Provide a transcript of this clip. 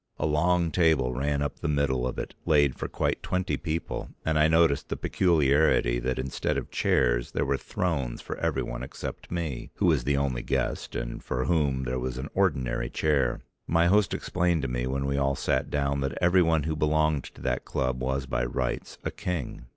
A long table ran up the middle of it, laid for quite twenty people, and I noticed the peculiarity that instead of chairs there were thrones for everyone except me, who was the only guest and for whom there was an ordinary chair. My host explained to me when we all sat down that everyone who belonged to that club was by rights a king.